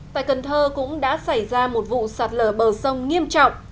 tại cần thơ cũng đã xảy ra một vụ sạt lở bờ sông nghiêm trọng